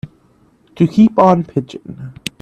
To keep on pitching.